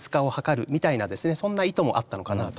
そんな意図もあったのかなと。